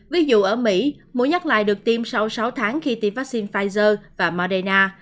ví dụ ở mỹ mũi nhắc lại được tiêm sau sáu tháng khi tiêm vaccine pfizer và moderna